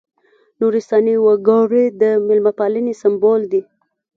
نورستاني وګړي د مېلمه پالنې سمبول دي.